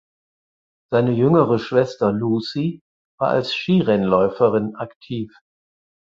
Seine jüngere Schwester Lucie war als Skirennläuferin aktiv.